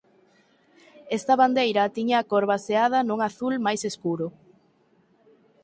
Esta bandeira tiña a cor baseada nun azul máis escuro.